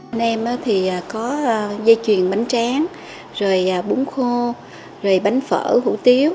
anh em thì có dây chuyền bánh tráng rồi bún khô rồi bánh phở hủ tiếu